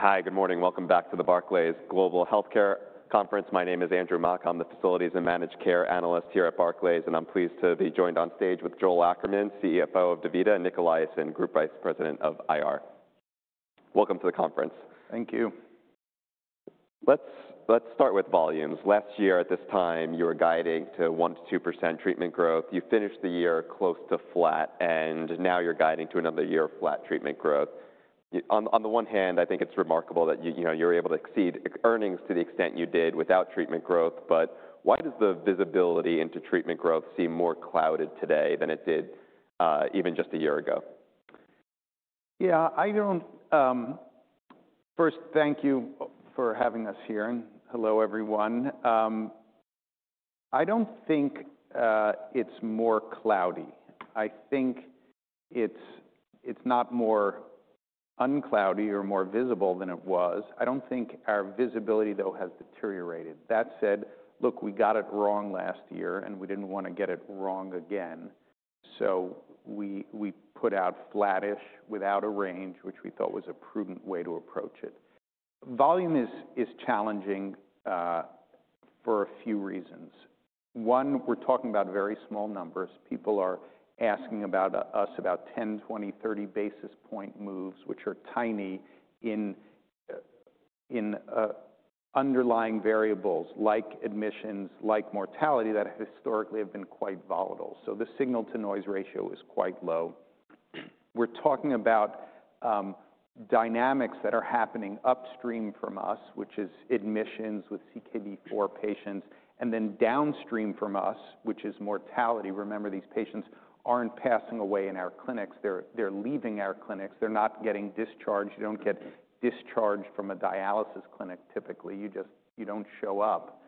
Hi, good morning. Welcome back to the Barclays Global Healthcare Conference. My name is Andrew Mok. I'm the Facilities and Managed Care Analyst here at Barclays, and I'm pleased to be joined on stage with Joel Ackerman, CFO of DaVita, and Nic Eliason, Group Vice President of IR. Welcome to the conference. Thank you. Let's start with volumes. Last year, at this time, you were guiding to 1-2% treatment growth. You finished the year close to flat, and now you're guiding to another year of flat treatment growth. On the one hand, I think it's remarkable that you were able to exceed earnings to the extent you did without treatment growth. Why does the visibility into treatment growth seem more clouded today than it did even just a year ago? Yeah, I don't first, thank you for having us here. And hello, everyone. I don't think it's more cloudy. I think it's not more uncloudy or more visible than it was. I don't think our visibility, though, has deteriorated. That said, look, we got it wrong last year, and we didn't want to get it wrong again. So we put out flattish without a range, which we thought was a prudent way to approach it. Volume is challenging for a few reasons. One, we're talking about very small numbers. People are asking about us about 10, 20, 30 basis point moves, which are tiny in underlying variables like admissions, like mortality that historically have been quite volatile. So the signal-to-noise ratio is quite low. We're talking about dynamics that are happening upstream from us, which is admissions with CKD4 patients, and then downstream from us, which is mortality. Remember, these patients aren't passing away in our clinics. They're leaving our clinics. They're not getting discharged. You don't get discharged from a dialysis clinic, typically. You just don't show up.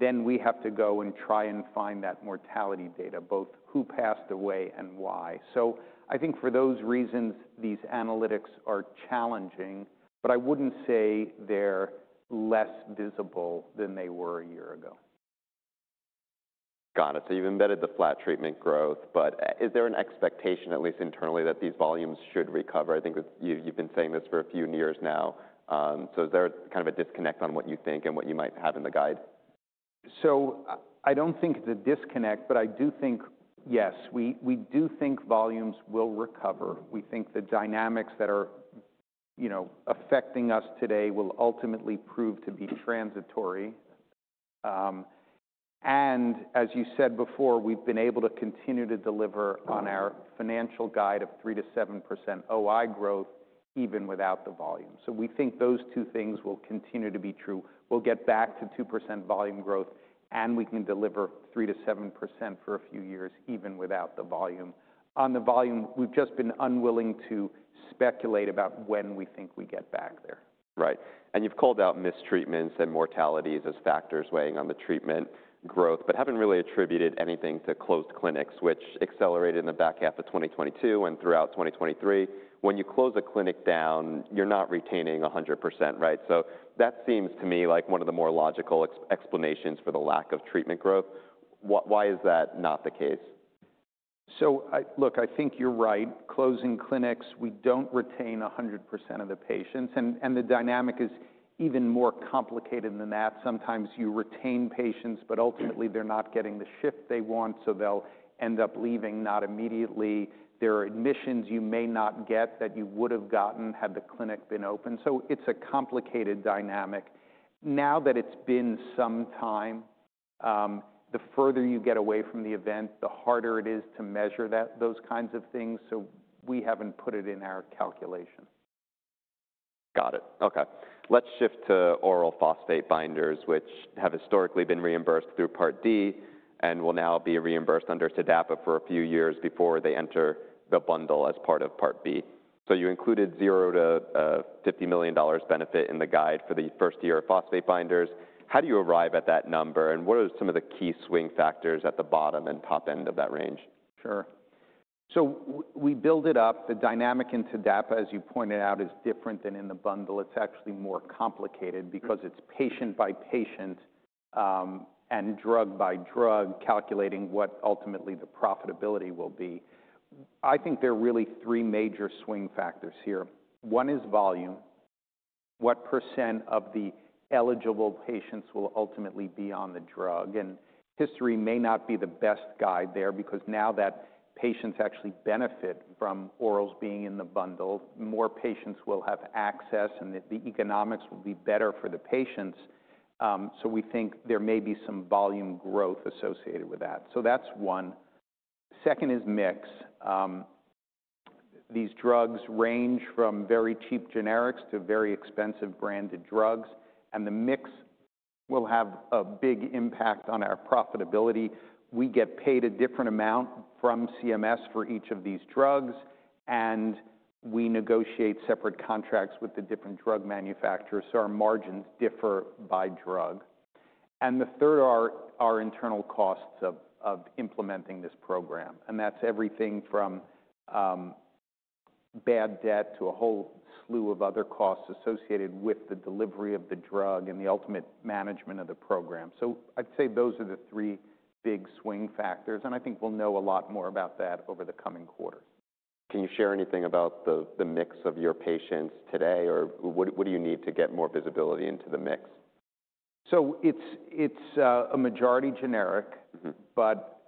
Then we have to go and try and find that mortality data, both who passed away and why. I think for those reasons, these analytics are challenging, but I wouldn't say they're less visible than they were a year ago. Got it. You have embedded the flat treatment growth, but is there an expectation, at least internally, that these volumes should recover? I think you have been saying this for a few years now. Is there kind of a disconnect on what you think and what you might have in the guide? I do not think it is a disconnect, but I do think, yes, we do think volumes will recover. We think the dynamics that are affecting us today will ultimately prove to be transitory. As you said before, we have been able to continue to deliver on our financial guide of 3-7% OI growth even without the volume. We think those two things will continue to be true. We will get back to 2% volume growth, and we can deliver 3-7% for a few years even without the volume. On the volume, we have just been unwilling to speculate about when we think we get back there. Right. You've called out missed treatments and mortalities as factors weighing on the treatment growth but haven't really attributed anything to closed clinics, which accelerated in the back half of 2022 and throughout 2023. When you close a clinic down, you're not retaining 100%, right? That seems to me like one of the more logical explanations for the lack of treatment growth. Why is that not the case? Look, I think you're right. Closing clinics, we don't retain 100% of the patients. The dynamic is even more complicated than that. Sometimes you retain patients, but ultimately they're not getting the shift they want, so they'll end up leaving, not immediately. There are admissions you may not get that you would have gotten had the clinic been open. It's a complicated dynamic. Now that it's been some time, the further you get away from the event, the harder it is to measure those kinds of things. We haven't put it in our calculation. Got it. Okay. Let's shift to oral phosphate binders, which have historically been reimbursed through Part D and will now be reimbursed under TDAPA for a few years before they enter the bundle as part of Part B. You included $0-$50 million benefit in the guide for the first year of phosphate binders. How do you arrive at that number? What are some of the key swing factors at the bottom and top end of that range? Sure. We build it up. The dynamic in TDAPA, as you pointed out, is different than in the bundle. It's actually more complicated because it's patient by patient and drug by drug calculating what ultimately the profitability will be. I think there are really three major swing factors here. One is volume. What % of the eligible patients will ultimately be on the drug? History may not be the best guide there because now that patients actually benefit from orals being in the bundle, more patients will have access, and the economics will be better for the patients. We think there may be some volume growth associated with that. That's one. Second is mix. These drugs range from very cheap generics to very expensive branded drugs. The mix will have a big impact on our profitability. We get paid a different amount from CMS for each of these drugs, and we negotiate separate contracts with the different drug manufacturers, so our margins differ by drug. The third are our internal costs of implementing this program. That's everything from bad debt to a whole slew of other costs associated with the delivery of the drug and the ultimate management of the program. I'd say those are the three big swing factors. I think we'll know a lot more about that over the coming quarter. Can you share anything about the mix of your patients today, or what do you need to get more visibility into the mix? It is a majority generic, but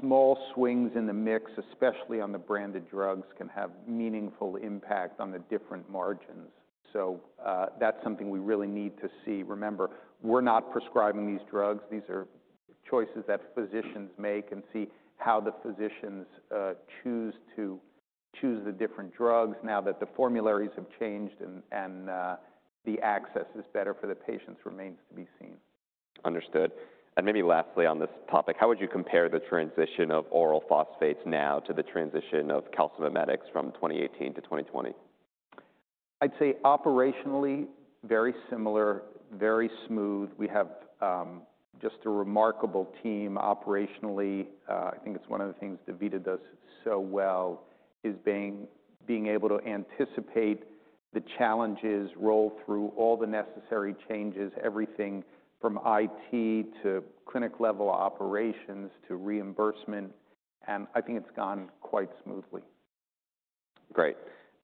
small swings in the mix, especially on the branded drugs, can have meaningful impact on the different margins. That is something we really need to see. Remember, we are not prescribing these drugs. These are choices that physicians make and see how the physicians choose the different drugs. Now that the formularies have changed and the access is better for the patients, remains to be seen. Understood. Maybe lastly on this topic, how would you compare the transition of oral phosphates now to the transition of calcimimetic from 2018 to 2020? I'd say operationally very similar, very smooth. We have just a remarkable team operationally. I think it's one of the things DaVita does so well is being able to anticipate the challenges, roll through all the necessary changes, everything from IT to clinic-level operations to reimbursement. I think it's gone quite smoothly.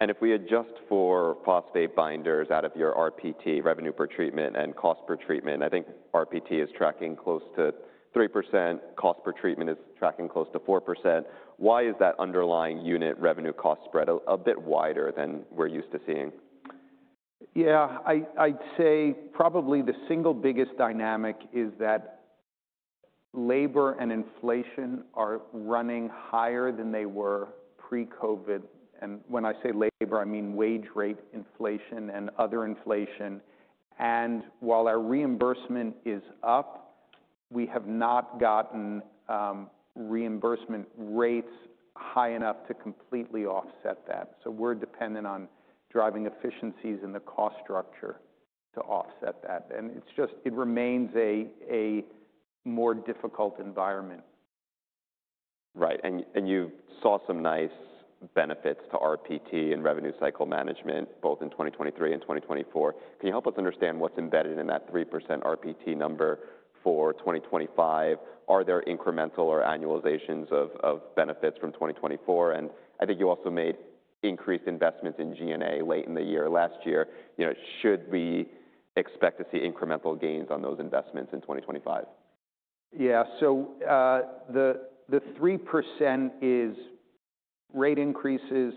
Great. If we adjust for phosphate binders out of your RPT, revenue per treatment and cost per treatment, I think RPT is tracking close to 3%. Cost per treatment is tracking close to 4%. Why is that underlying unit revenue cost spread a bit wider than we're used to seeing? Yeah, I'd say probably the single biggest dynamic is that labor and inflation are running higher than they were pre-COVID. When I say labor, I mean wage rate inflation and other inflation. While our reimbursement is up, we have not gotten reimbursement rates high enough to completely offset that. We are dependent on driving efficiencies in the cost structure to offset that. It remains a more difficult environment. Right. You saw some nice benefits to RPT and revenue cycle management both in 2023 and 2024. Can you help us understand what's embedded in that 3% RPT number for 2025? Are there incremental or annualizations of benefits from 2024? I think you also made increased investments in G&A late in the year. Last year, should we expect to see incremental gains on those investments in 2025? Yeah. The 3% is rate increases,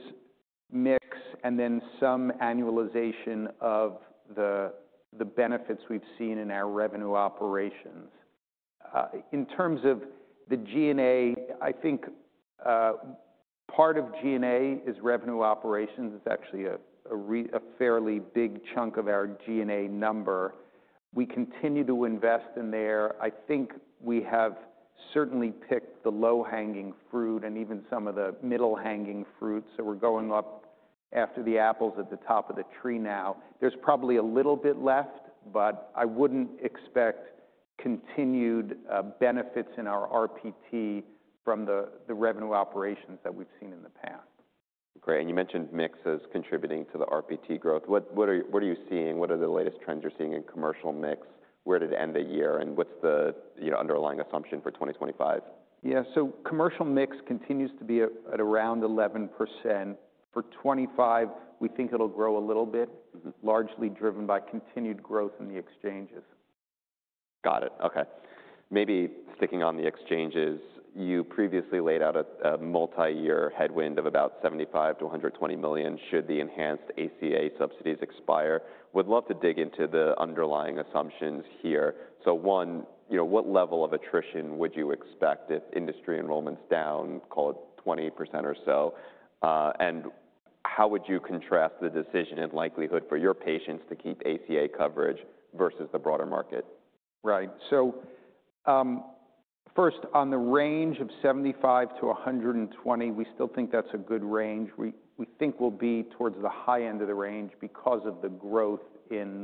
mix, and then some annualization of the benefits we've seen in our revenue operations. In terms of the G&A, I think part of G&A is revenue operations. It's actually a fairly big chunk of our G&A number. We continue to invest in there. I think we have certainly picked the low-hanging fruit and even some of the middle-hanging fruit. We're going up after the apples at the top of the tree now. There's probably a little bit left, but I wouldn't expect continued benefits in our RPT from the revenue operations that we've seen in the past. Great. You mentioned mix as contributing to the RPT growth. What are you seeing? What are the latest trends you're seeing in commercial mix? Where did it end the year? What is the underlying assumption for 2025? Yeah. Commercial mix continues to be at around 11%. For 2025, we think it'll grow a little bit, largely driven by continued growth in the exchanges. Got it. Okay. Maybe sticking on the exchanges, you previously laid out a multi-year headwind of about $75 million-$120 million should the enhanced ACA subsidies expire. Would love to dig into the underlying assumptions here. One, what level of attrition would you expect if industry enrollment's down, call it 20% or so? How would you contrast the decision and likelihood for your patients to keep ACA coverage versus the broader market? Right. First, on the range of $75-$120, we still think that's a good range. We think we'll be towards the high end of the range because of the growth in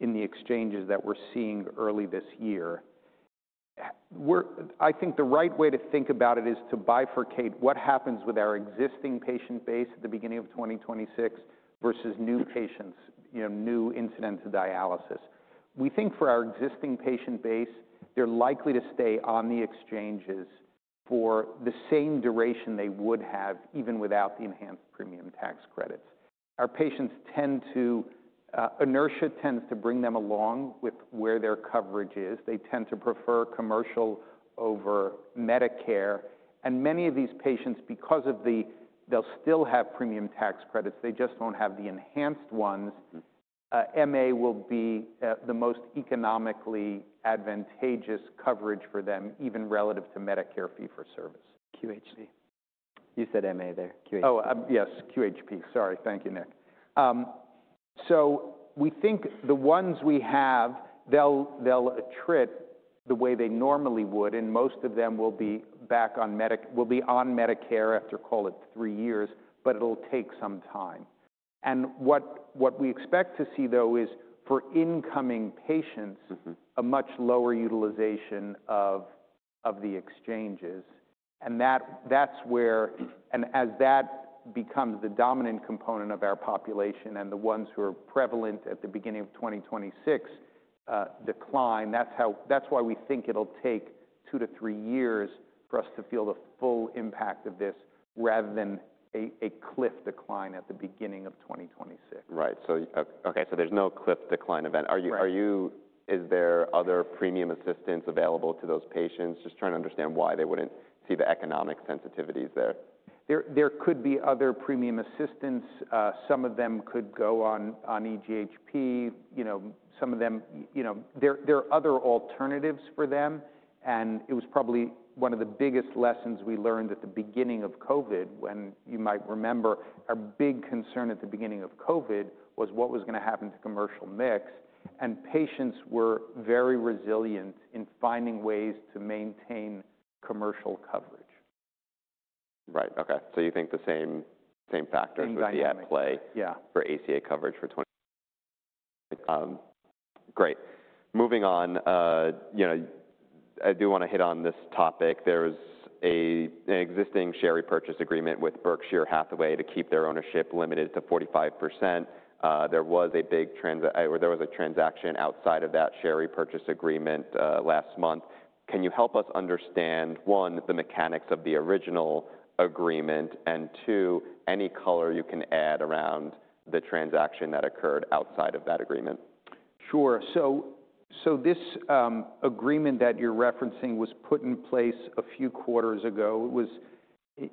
the exchanges that we're seeing early this year. I think the right way to think about it is to bifurcate what happens with our existing patient base at the beginning of 2026 versus new patients, new incidents of dialysis. We think for our existing patient base, they're likely to stay on the exchanges for the same duration they would have even without the enhanced premium tax credits. Our patients tend to, inertia tends to bring them along with where their coverage is. They tend to prefer commercial over Medicare. Many of these patients, because of the, they'll still have premium tax credits. They just won't have the enhanced ones. MA will be the most economically advantageous coverage for them, even relative to Medicare fee for service. QHP. You said MA there. QHP. Oh, yes, QHP. Sorry. Thank you, Nic. We think the ones we have, they'll attrit the way they normally would. Most of them will be back on Medicare after, call it, three years, but it'll take some time. What we expect to see, though, is for incoming patients, a much lower utilization of the exchanges. That is where, and as that becomes the dominant component of our population and the ones who are prevalent at the beginning of 2026 decline, that is why we think it'll take two to three years for us to feel the full impact of this rather than a cliff decline at the beginning of 2026. Right. Okay, so there's no cliff decline event. Are you, is there other premium assistance available to those patients? Just trying to understand why they wouldn't see the economic sensitivities there. There could be other premium assistance. Some of them could go on EGHP. Some of them, there are other alternatives for them. It was probably one of the biggest lessons we learned at the beginning of COVID, when you might remember our big concern at the beginning of COVID was what was going to happen to commercial mix. Patients were very resilient in finding ways to maintain commercial coverage. Right. Okay. So you think the same factors would be at play for ACA coverage for. Great. Moving on, I do want to hit on this topic. There's an existing share repurchase agreement with Berkshire Hathaway to keep their ownership limited to 45%. There was a big transaction outside of that share repurchase agreement last month. Can you help us understand, one, the mechanics of the original agreement, and two, any color you can add around the transaction that occurred outside of that agreement? Sure. This agreement that you're referencing was put in place a few quarters ago. It was,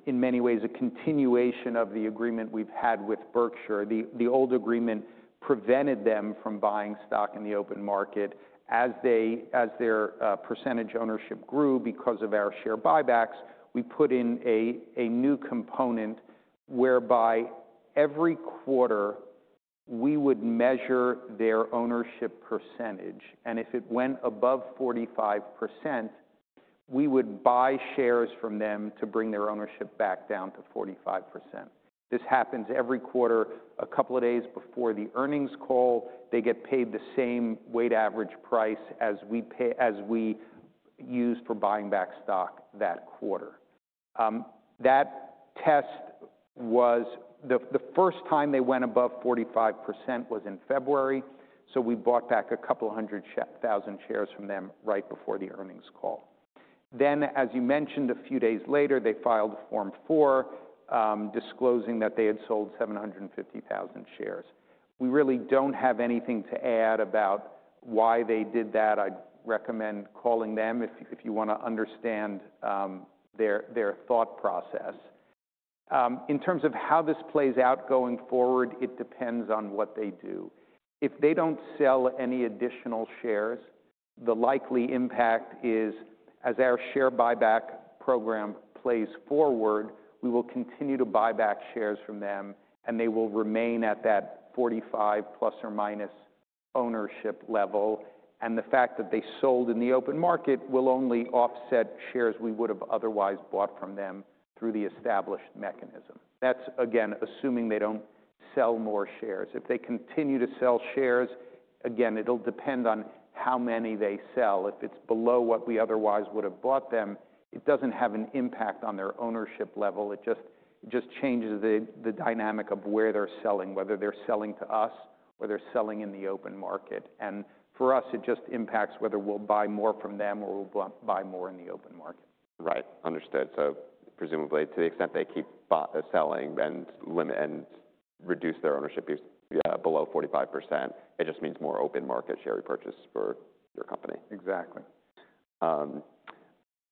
in many ways, a continuation of the agreement we've had with Berkshire. The old agreement prevented them from buying stock in the open market. As their percentage ownership grew because of our share buybacks, we put in a new component whereby every quarter we would measure their ownership percentage. If it went above 45%, we would buy shares from them to bring their ownership back down to 45%. This happens every quarter. A couple of days before the earnings call, they get paid the same weighted average price as we used for buying back stock that quarter. That test was the first time they went above 45% was in February. We bought back a couple of hundred thousand shares from them right before the earnings call. As you mentioned, a few days later, they filed Form 4 disclosing that they had sold 750,000 shares. We really do not have anything to add about why they did that. I would recommend calling them if you want to understand their thought process. In terms of how this plays out going forward, it depends on what they do. If they do not sell any additional shares, the likely impact is, as our share buyback program plays forward, we will continue to buy back shares from them, and they will remain at that 45% plus or minus ownership level. The fact that they sold in the open market will only offset shares we would have otherwise bought from them through the established mechanism. That is, again, assuming they do not sell more shares. If they continue to sell shares, again, it will depend on how many they sell. If it's below what we otherwise would have bought them, it doesn't have an impact on their ownership level. It just changes the dynamic of where they're selling, whether they're selling to us or they're selling in the open market. For us, it just impacts whether we'll buy more from them or we'll buy more in the open market. Right. Understood. Presumably, to the extent they keep selling and reduce their ownership below 45%, it just means more open market share repurchase for your company. Exactly.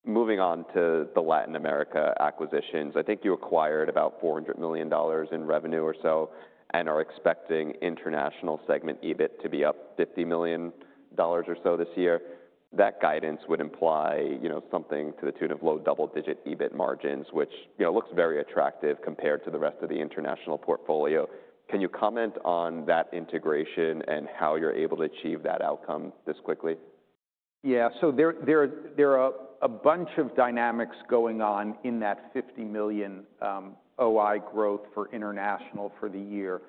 Moving on to the Latin America acquisitions. I think you acquired about $400 million in revenue or so and are expecting international segment EBIT to be up $50 million or so this year. That guidance would imply something to the tune of low double-digit EBIT margins, which looks very attractive compared to the rest of the international portfolio. Can you comment on that integration and how you're able to achieve that outcome this quickly? Yeah. There are a bunch of dynamics going on in that $50 million OI growth for international for the year.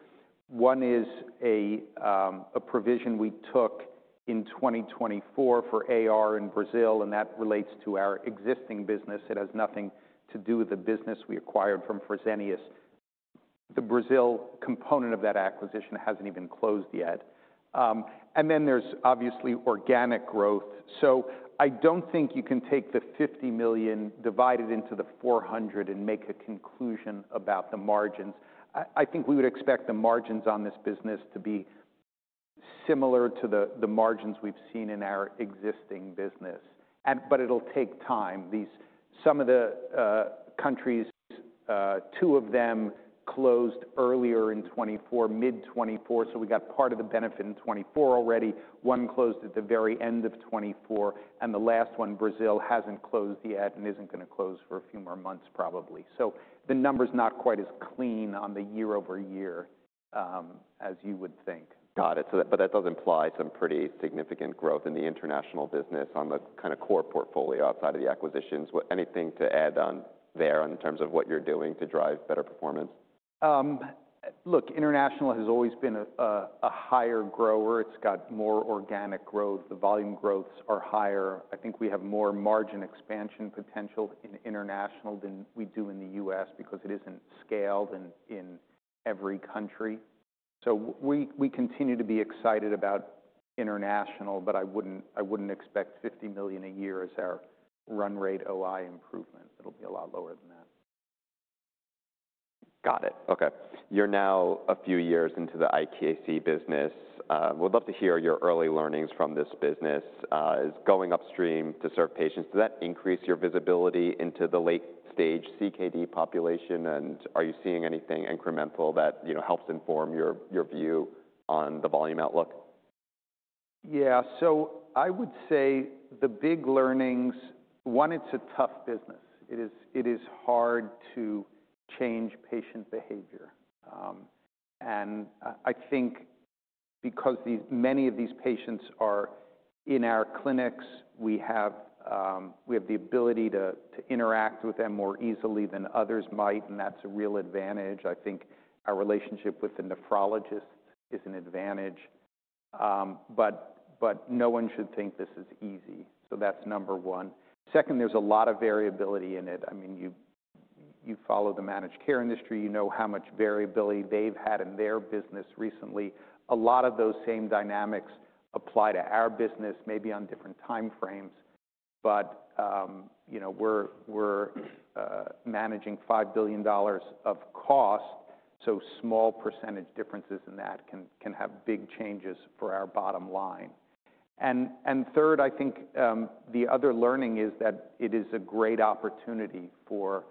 One is a provision we took in 2024 for AR in Brazil, and that relates to our existing business. It has nothing to do with the business we acquired from Fresenius. The Brazil component of that acquisition has not even closed yet. There is obviously organic growth. I do not think you can take the $50 million divided into the $400 million and make a conclusion about the margins. I think we would expect the margins on this business to be similar to the margins we have seen in our existing business. It will take time. Some of the countries, two of them closed earlier in 2024, mid-2024. We got part of the benefit in 2024 already. One closed at the very end of 2024. The last one, Brazil, has not closed yet and is not going to close for a few more months, probably. The number is not quite as clean on the year-over-year as you would think. Got it. That does imply some pretty significant growth in the international business on the kind of core portfolio outside of the acquisitions. Anything to add on there in terms of what you're doing to drive better performance? Look, international has always been a higher grower. It has got more organic growth. The volume growths are higher. I think we have more margin expansion potential in international than we do in the U.S. because it is not scaled in every country. We continue to be excited about international, but I would not expect $50 million a year as our run rate OI improvement. It will be a lot lower than that. Got it. Okay. You're now a few years into the IKC business. We'd love to hear your early learnings from this business. Going upstream to serve patients, does that increase your visibility into the late-stage CKD population? Are you seeing anything incremental that helps inform your view on the volume outlook? Yeah. I would say the big learnings, one, it's a tough business. It is hard to change patient behavior. I think because many of these patients are in our clinics, we have the ability to interact with them more easily than others might. That's a real advantage. I think our relationship with the nephrologists is an advantage. No one should think this is easy. That's number one. Second, there's a lot of variability in it. I mean, you follow the managed care industry. You know how much variability they've had in their business recently. A lot of those same dynamics apply to our business, maybe on different time frames. We're managing $5 billion of cost. Small percentage differences in that can have big changes for our bottom line. Third, I think the other learning is that it is a great opportunity for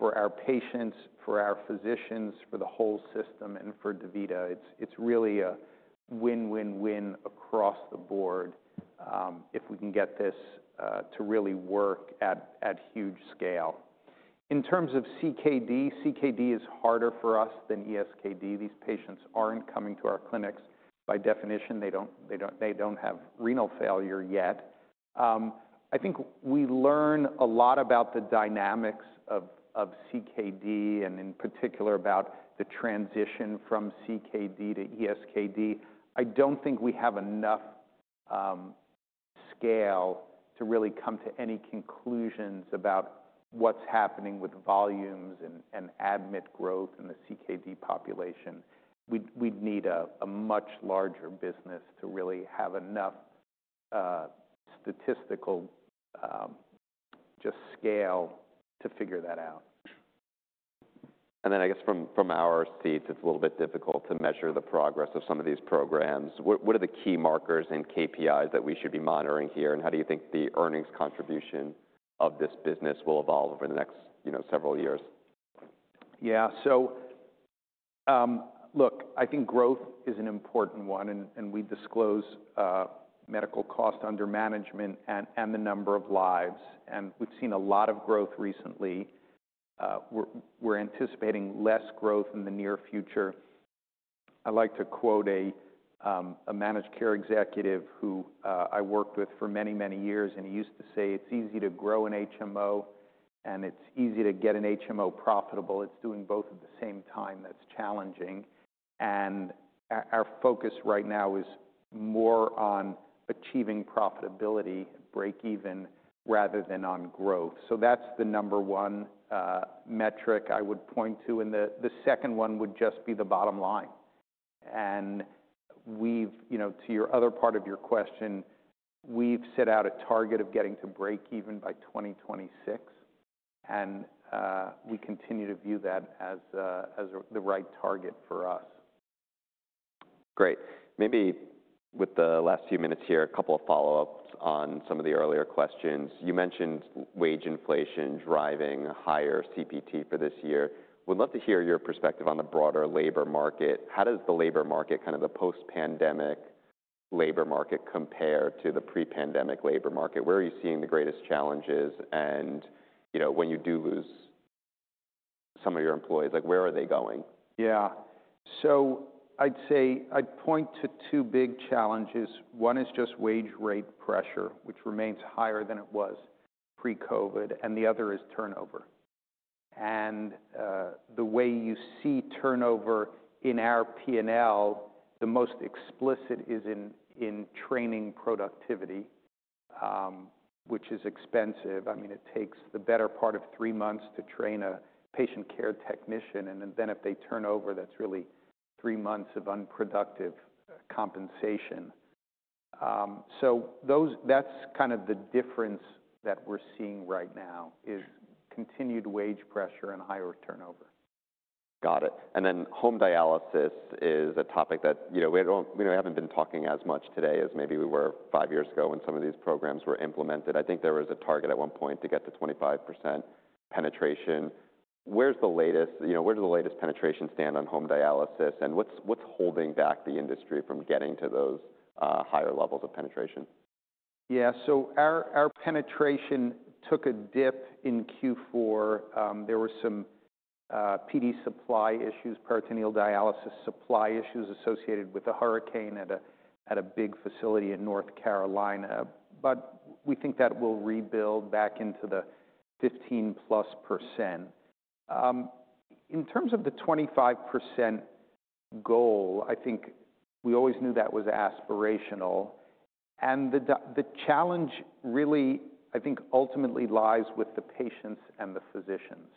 our patients, for our physicians, for the whole system, and for DaVita. It's really a win-win-win across the board if we can get this to really work at huge scale. In terms of CKD, CKD is harder for us than ESKD. These patients aren't coming to our clinics. By definition, they don't have renal failure yet. I think we learn a lot about the dynamics of CKD and, in particular, about the transition from CKD to ESKD. I don't think we have enough scale to really come to any conclusions about what's happening with volumes and admit growth in the CKD population. We'd need a much larger business to really have enough statistical just scale to figure that out. I guess from our seats, it's a little bit difficult to measure the progress of some of these programs. What are the key markers and KPIs that we should be monitoring here? How do you think the earnings contribution of this business will evolve over the next several years? Yeah. Look, I think growth is an important one. We disclose medical cost under management and the number of lives. We have seen a lot of growth recently. We are anticipating less growth in the near future. I like to quote a managed care executive who I worked with for many, many years. He used to say, "It's easy to grow an HMO, and it's easy to get an HMO profitable. It's doing both at the same time. That's challenging." Our focus right now is more on achieving profitability, break-even, rather than on growth. That is the number one metric I would point to. The second one would just be the bottom line. To your other part of your question, we have set out a target of getting to break-even by 2026. We continue to view that as the right target for us. Great. Maybe with the last few minutes here, a couple of follow-ups on some of the earlier questions. You mentioned wage inflation driving a higher CPT for this year. Would love to hear your perspective on the broader labor market. How does the labor market, kind of the post-pandemic labor market, compare to the pre-pandemic labor market? Where are you seeing the greatest challenges? When you do lose some of your employees, where are they going? Yeah. I'd point to two big challenges. One is just wage rate pressure, which remains higher than it was pre-COVID. The other is turnover. The way you see turnover in our P&L, the most explicit is in training productivity, which is expensive. I mean, it takes the better part of three months to train a patient care technician. If they turn over, that's really three months of unproductive compensation. That's kind of the difference that we're seeing right now: continued wage pressure and higher turnover. Got it. Home dialysis is a topic that we have not been talking as much today as maybe we were five years ago when some of these programs were implemented. I think there was a target at one point to get to 25% penetration. Where does the latest penetration stand on home dialysis? What is holding back the industry from getting to those higher levels of penetration? Yeah. Our penetration took a dip in Q4. There were some PD supply issues, peritoneal dialysis supply issues associated with a hurricane at a big facility in North Carolina. We think that will rebuild back into the 15+% range. In terms of the 25% goal, I think we always knew that was aspirational. The challenge really, I think, ultimately lies with the patients and the physicians.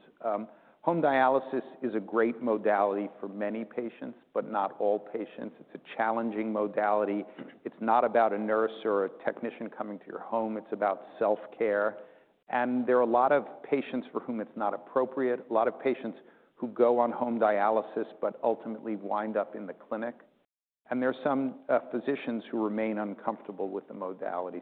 Home dialysis is a great modality for many patients, but not all patients. It's a challenging modality. It's not about a nurse or a technician coming to your home. It's about self-care. There are a lot of patients for whom it's not appropriate, a lot of patients who go on home dialysis, but ultimately wind up in the clinic. There are some physicians who remain uncomfortable with the modality.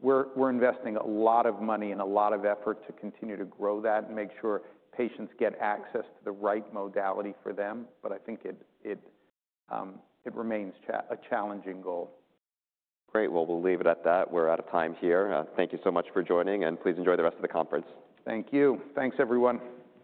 We're investing a lot of money and a lot of effort to continue to grow that and make sure patients get access to the right modality for them. I think it remains a challenging goal. Great. We'll leave it at that. We're out of time here. Thank you so much for joining. Please enjoy the rest of the conference. Thank you. Thanks, everyone.